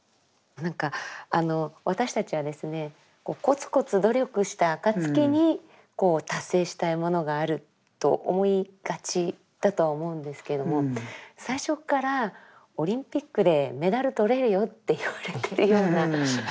何かあの私たちはですねコツコツ努力した暁に達成したいものがあると思いがちだとは思うんですけども最初からオリンピックでメダル取れるよって言われてるような。